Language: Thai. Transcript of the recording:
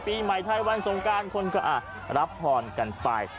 ปีใหม่ไทยวันสงการคนก็รับพรกันไป